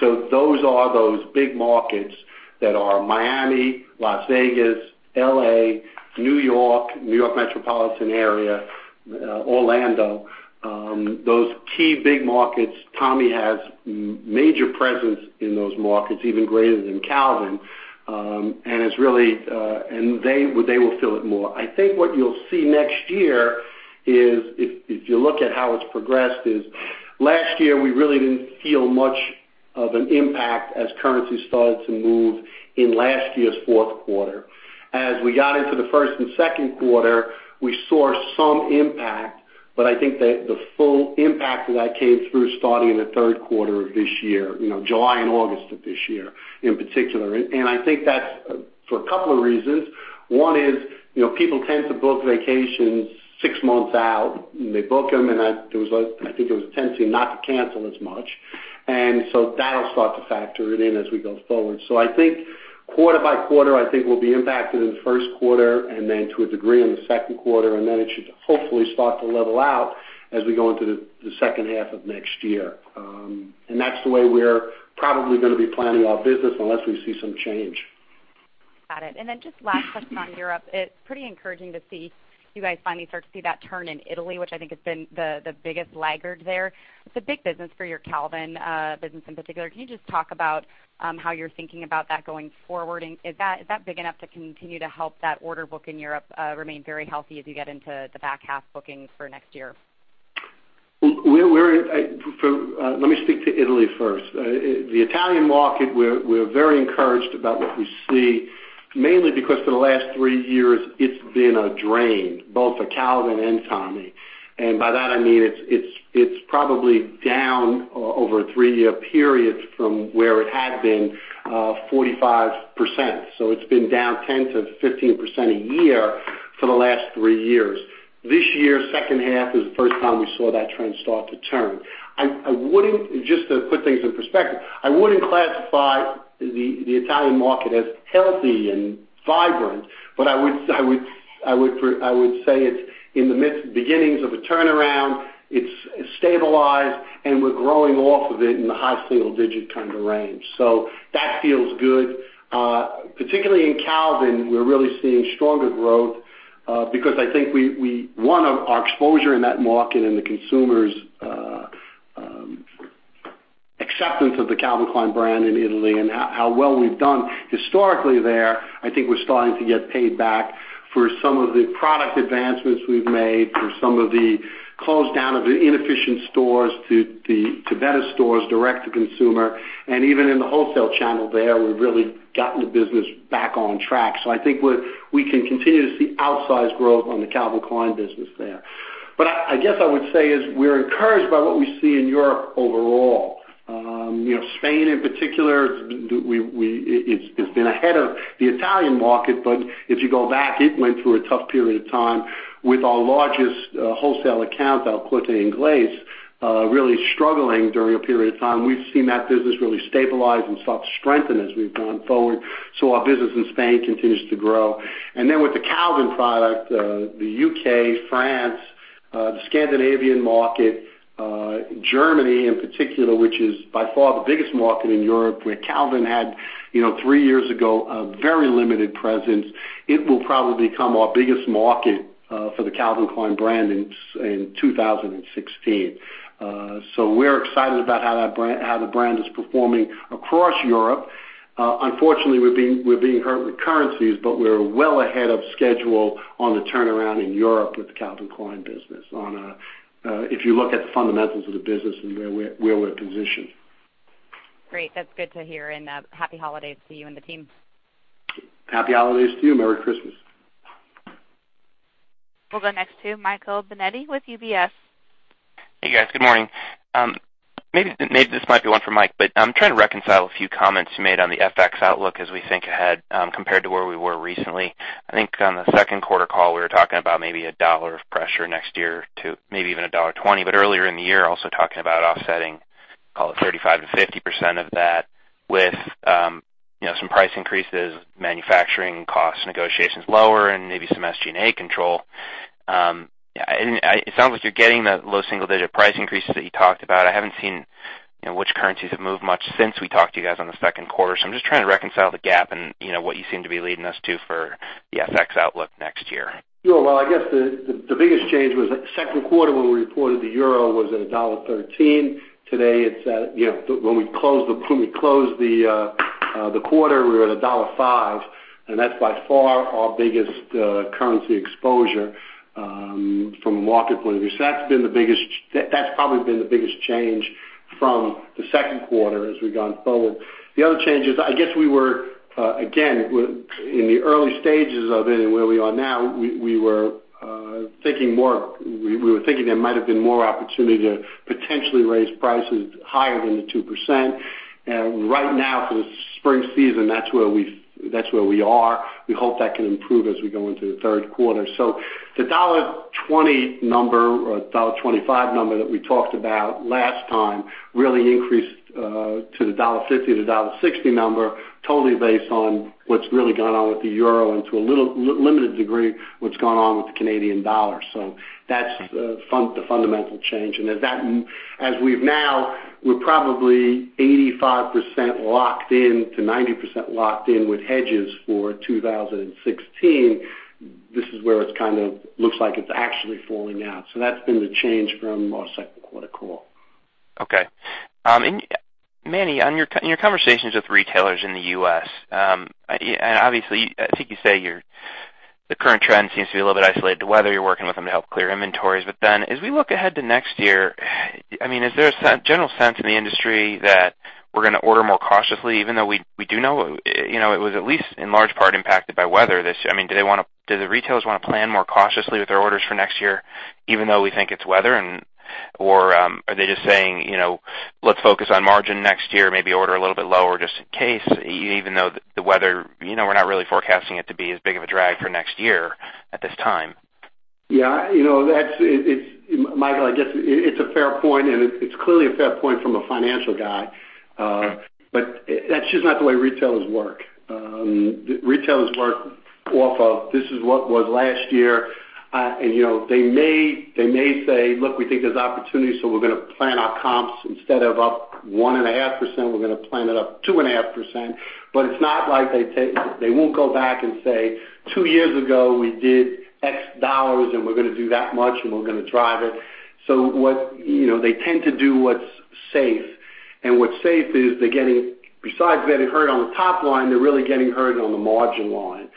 Those are those big markets that are Miami, Las Vegas, L.A., New York, New York metropolitan area, Orlando. Those key big markets, Tommy has major presence in those markets, even greater than Calvin. They will feel it more. I think what you'll see next year is, if you look at how it's progressed, is last year, we really didn't feel much of an impact as currency started to move in last year's fourth quarter. As we got into the first and second quarter, we saw some impact, but I think that the full impact of that came through starting in the third quarter of this year, July and August of this year in particular. I think that's for a couple of reasons. One is, people tend to book vacations six months out. They book them, and I think there was a tendency not to cancel as much. That'll start to factor it in as we go forward. I think quarter by quarter, I think we'll be impacted in the first quarter and then to a degree in the second quarter, and then it should hopefully start to level out as we go into the second half of next year. That's the way we're probably going to be planning our business unless we see some change. Got it. Just last question on Europe. It's pretty encouraging to see you guys finally start to see that turn in Italy, which I think has been the biggest laggard there. It's a big business for your Calvin business in particular. Can you just talk about how you're thinking about that going forward? Is that big enough to continue to help that order book in Europe remain very healthy as you get into the back half bookings for next year? Let me speak to Italy first. The Italian market, we're very encouraged about what we see, mainly because for the last three years, it's been a drain, both for Calvin and Tommy. By that I mean it's probably down over a three-year period from where it had been, 45%. It's been down 10%-15% a year for the last three years. This year, second half is the first time we saw that trend start to turn. Just to put things in perspective, I wouldn't classify the Italian market as healthy and vibrant, but I would say it's in the beginnings of a turnaround. It's stabilized, and we're growing off of it in the high single digit kind of range. That feels good. Particularly in Calvin, we're really seeing stronger growth, because I think one, our exposure in that market and the consumer's acceptance of the Calvin Klein brand in Italy and how well we've done historically there, I think we're starting to get paid back for some of the product advancements we've made, for some of the close down of the inefficient stores to better stores, direct to consumer, and even in the wholesale channel there, we've really gotten the business back on track. I think we can continue to see outsized growth on the Calvin Klein business there. I guess I would say is we're encouraged by what we see in Europe overall. Spain, in particular, it's been ahead of the Italian market, if you go back, it went through a tough period of time with our largest wholesale account, El Corte Inglés, really struggling during a period of time. We've seen that business really stabilize and start to strengthen as we've gone forward. Our business in Spain continues to grow. With the Calvin product, the U.K., France, the Scandinavian market, Germany in particular, which is by far the biggest market in Europe, where Calvin had three years ago, a very limited presence. It will probably become our biggest market for the Calvin Klein brand in 2016. We're excited about how the brand is performing across Europe. Unfortunately, we're being hurt with currencies, we're well ahead of schedule on the turnaround in Europe with the Calvin Klein business, if you look at the fundamentals of the business and where we're positioned. Great. That's good to hear. Happy holidays to you and the team. Happy holidays to you. Merry Christmas. We'll go next to Michael Binetti with UBS. Hey, guys. Good morning. Maybe this might be one for Mike, I'm trying to reconcile a few comments you made on the FX outlook as we think ahead, compared to where we were recently. I think on the second quarter call, we were talking about maybe $1 of pressure next year to maybe even $1.20. Earlier in the year, also talking about offsetting, call it 35%-50% of that with some price increases, manufacturing costs, negotiations lower, and maybe some SG&A control. It sounds like you're getting the low single-digit price increases that you talked about. I haven't seen which currencies have moved much since we talked to you guys on the second quarter. I'm just trying to reconcile the gap and what you seem to be leading us to for the FX outlook next year. Well, I guess the biggest change was that second quarter when we reported the euro was at EUR 1.13. Today, when we closed the quarter, we were at EUR 1.05, and that's by far our biggest currency exposure from a market point of view. That's probably been the biggest change from the second quarter as we've gone forward. The other change is, I guess we were, again, in the early stages of it and where we are now, we were thinking there might have been more opportunity to potentially raise prices higher than the 2%. Right now for the spring season, that's where we are. We hope that can improve as we go into the third quarter. The $1.20 number or $1.25 number that we talked about last time really increased to the $1.50-$1.60 number, totally based on what's really gone on with the euro and to a limited degree, what's gone on with the Canadian dollar. That's the fundamental change. As we've now, we're probably 85%-90% locked in with hedges for 2016. This is where it kind of looks like it's actually falling out. That's been the change from our second quarter call. Okay. Manny, on your conversations with retailers in the U.S., obviously, I think you say the current trend seems to be a little bit isolated to weather. You're working with them to help clear inventories. As we look ahead to next year, is there a general sense in the industry that we're going to order more cautiously, even though we do know it was at least in large part impacted by weather this year? Do the retailers want to plan more cautiously with their orders for next year, even though we think it's weather? Are they just saying, "Let's focus on margin next year, maybe order a little bit lower just in case," even though the weather, we're not really forecasting it to be as big of a drag for next year at this time? Yeah. Michael, I guess it's a fair point, it's clearly a fair point from a financial guy. That's just not the way retailers work. Retailers work off of, this is what was last year. They may say, "Look, we think there's opportunities, so we're going to plan our comps. Instead of up 1.5%, we're going to plan it up 2.5%." It's not like they won't go back and say, "Two years ago, we did X dollars, and we're going to do that much, and we're going to drive it." They tend to do what's safe. What's safe is, besides getting hurt on the top line, they're really getting hurt on the margin line.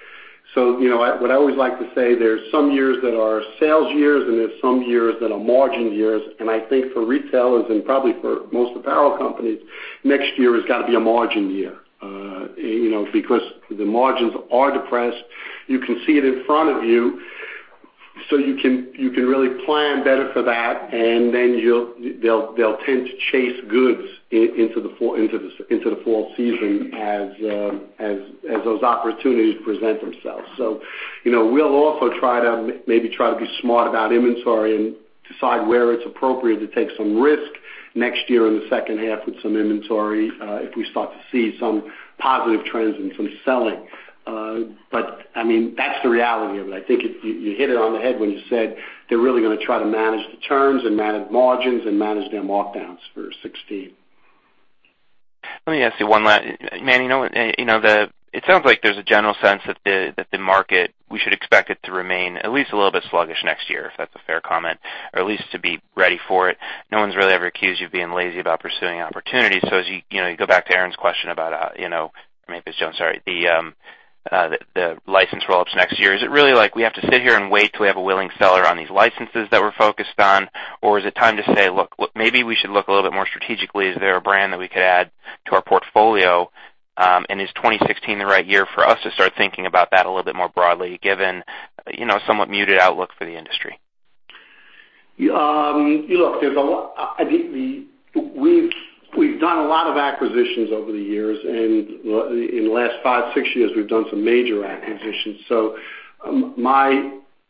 What I always like to say, there's some years that are sales years, there's some years that are margin years. I think for retailers and probably for most apparel companies, next year has got to be a margin year. The margins are depressed. You can see it in front of you, so you can really plan better for that. Then they'll tend to chase goods into the fall season as those opportunities present themselves. We'll also maybe try to be smart about inventory and decide where it's appropriate to take some risk next year in the second half with some inventory, if we start to see some positive trends and some selling. I mean, that's the reality of it. I think you hit it on the head when you said they're really going to try to manage the terms, and manage margins, and manage their markdowns for 2016. Let me ask you one last. Manny, it sounds like there's a general sense that the market, we should expect it to remain at least a little bit sluggish next year, if that's a fair comment, or at least to be ready for it. No one's really ever accused you of being lazy about pursuing opportunities. As you go back to Erinn's question about, maybe it's Jones, sorry, the license roll-ups next year. Is it really like we have to sit here and wait till we have a willing seller on these licenses that we're focused on? Is it time to say, "Look, maybe we should look a little bit more strategically. Is there a brand that we could add to our portfolio? Is 2016 the right year for us to start thinking about that a little bit more broadly, given somewhat muted outlook for the industry? Look, we've done a lot of acquisitions over the years. In the last five, six years, we've done some major acquisitions.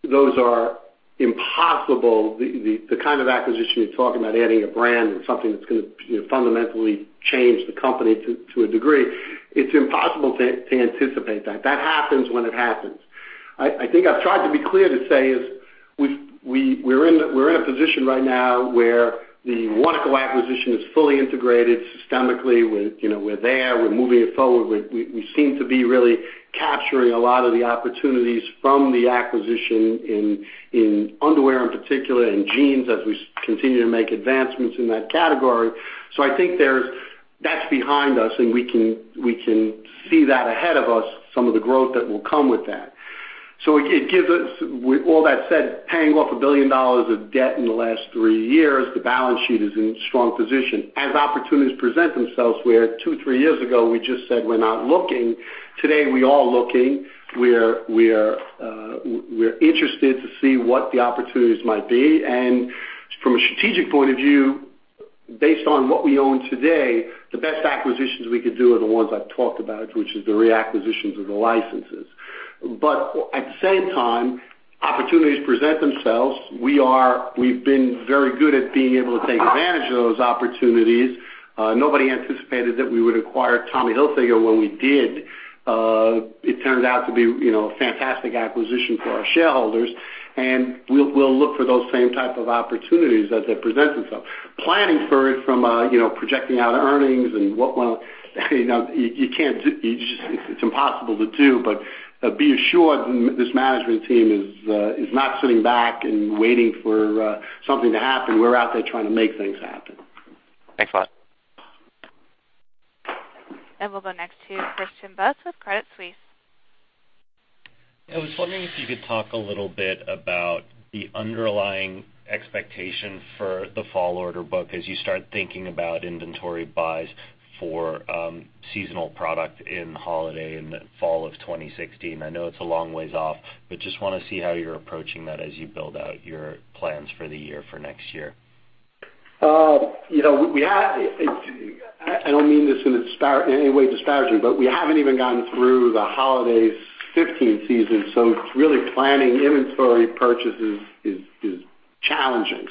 Those are impossible. The kind of acquisition you're talking about, adding a brand and something that's going to fundamentally change the company to a degree, it's impossible to anticipate that. That happens when it happens. I think I've tried to be clear to say is, we're in a position right now where the Warnaco acquisition is fully integrated systemically. We're there. We're moving it forward. We seem to be really capturing a lot of the opportunities from the acquisition in underwear in particular, in jeans, as we continue to make advancements in that category. I think that's behind us, and we can see that ahead of us, some of the growth that will come with that. With all that said, paying off $1 billion of debt in the last three years, the balance sheet is in a strong position. As opportunities present themselves, where two, three years ago, we just said we're not looking, today, we are looking. We're interested to see what the opportunities might be. From a strategic point of view, based on what we own today, the best acquisitions we could do are the ones I've talked about, which is the re-acquisitions of the licenses. At the same time, opportunities present themselves. We've been very good at being able to take advantage of those opportunities. Nobody anticipated that we would acquire Tommy Hilfiger when we did. It turned out to be a fantastic acquisition for our shareholders. We'll look for those same type of opportunities as they present themselves. Planning for it from projecting out earnings and what not it's impossible to do. Be assured, this management team is not sitting back and waiting for something to happen. We're out there trying to make things happen. Thanks a lot. We'll go next to Christian Buss with Credit Suisse. I was wondering if you could talk a little bit about the underlying expectation for the fall order book as you start thinking about inventory buys for seasonal product in holiday and fall of 2016. I know it's a long ways off, but just want to see how you're approaching that as you build out your plans for the year for next year. I don't mean this in any way disparagingly, but we haven't even gotten through the holidays' 2015 season, so really planning inventory purchases is challenging.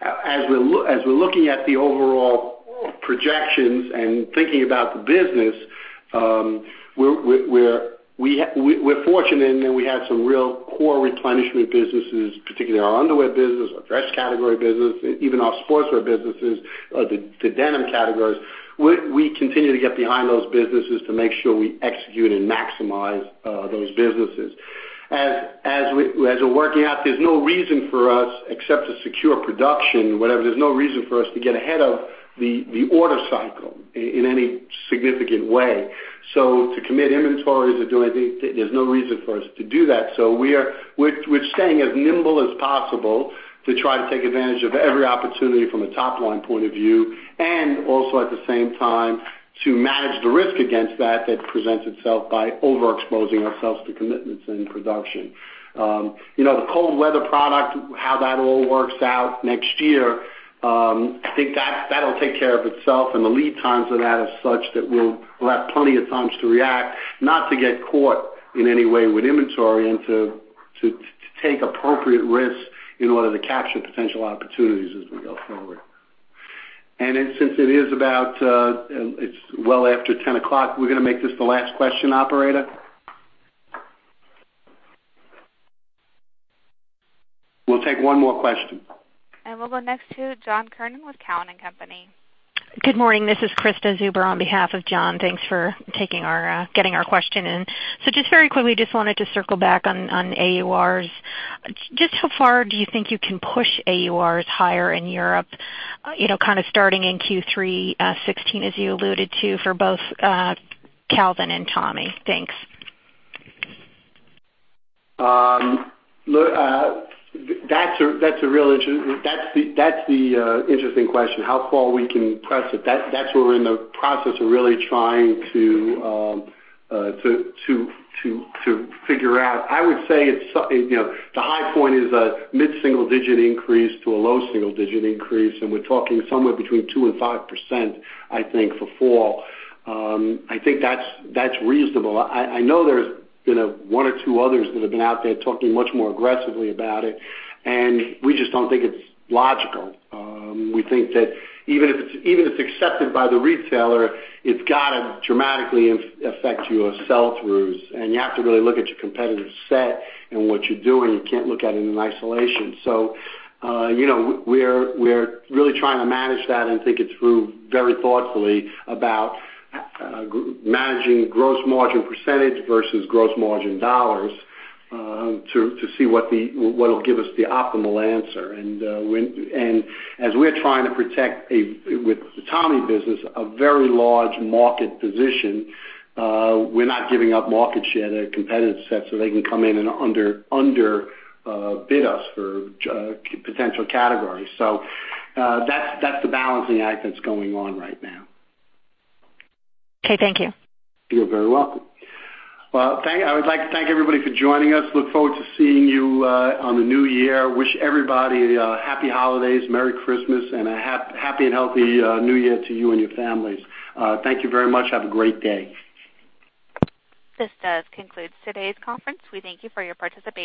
As we're looking at the overall projections and thinking about the business, we're fortunate in that we have some real core replenishment businesses, particularly our underwear business, our dress category business, even our sportswear businesses, the denim categories. We continue to get behind those businesses to make sure we execute and maximize those businesses. As we're working out, there's no reason for us, except to secure production, whatever. There's no reason for us to get ahead of the order cycle in any significant way. To commit inventories or do anything, there's no reason for us to do that. We're staying as nimble as possible to try to take advantage of every opportunity from a top-line point of view, and also at the same time, to manage the risk against that presents itself by overexposing ourselves to commitments in production. The cold weather product, how that all works out next year, I think that'll take care of itself, and the lead times of that is such that we'll have plenty of times to react, not to get caught in any way with inventory and to take appropriate risks in order to capture potential opportunities as we go forward. Since it's well after 10 o'clock, we're going to make this the last question, operator. We'll take one more question. We'll go next to John Kernan with Cowen and Company. Good morning. This is Krista Zuber on behalf of John. Thanks for getting our question in. Just very quickly, just wanted to circle back on AURs. Just how far do you think you can push AURs higher in Europe? Kind of starting in Q3 2016, as you alluded to for both Calvin and Tommy. Thanks. That's the interesting question, how far we can press it. That's where we're in the process of really trying to figure out. I would say the high point is a mid-single digit increase to a low single digit increase. We're talking somewhere between 2% and 5%, I think, for fall. I think that's reasonable. I know there's been one or two others that have been out there talking much more aggressively about it. We just don't think it's logical. We think that even if it's accepted by the retailer, it's got to dramatically affect your sell-throughs. You have to really look at your competitive set and what you're doing. You can't look at it in isolation. We're really trying to manage that and think it through very thoughtfully about managing gross margin percentage versus gross margin dollars, to see what'll give us the optimal answer. As we're trying to protect with the Tommy business, a very large market position, we're not giving up market share to competitive sets so they can come in and underbid us for potential categories. That's the balancing act that's going on right now. Okay, thank you. You're very welcome. Well, I would like to thank everybody for joining us. Look forward to seeing you on the New Year. Wish everybody a happy holidays, Merry Christmas, and a happy and healthy New Year to you and your families. Thank you very much, have a great day. This does conclude today's conference. We thank you for your participation.